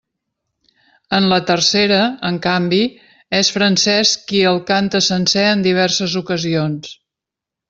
En la tercera, en canvi, és Francesc qui el canta sencer en diverses ocasions.